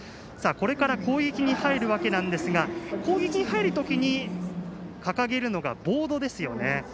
これから攻撃に入るわけなんですが攻撃に入るときに掲げるのがボードですよね。